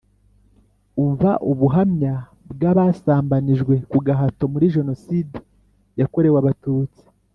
Umva ubuhamya bw’abasambanijwe ku gahato muri Jenoside yakorewe Abatutsi